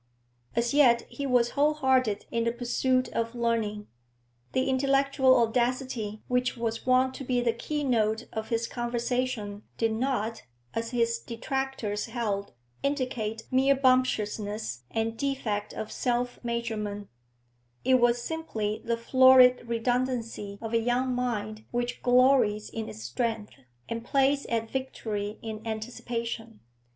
As yet he was whole hearted in the pursuit of learning. The intellectual audacity which was wont to be the key note of his conversation did not, as his detractors held, indicate mere bumptiousness and defect of self measurement; it was simply the florid redundancy of a young mind which glories in its strength, and plays at victory in anticipation.